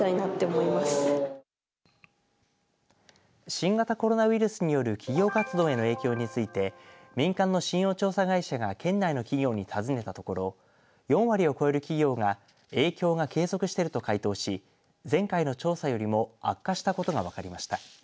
新型コロナウイルスによる企業活動への影響について民間の信用調査会社が県内の企業に尋ねたところ４割を超える企業が影響が継続していると回答し前回の調査よりも悪化したことが分かりました。